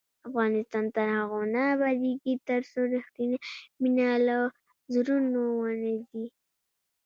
افغانستان تر هغو نه ابادیږي، ترڅو رښتینې مینه له زړونو ونه وځي.